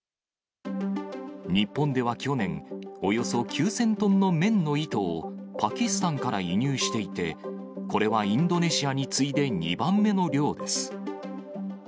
日本では去年、およそ９０００トンの綿の糸を、パキスタンから輸入していて、これはインドネシアに次いで２番目の量です。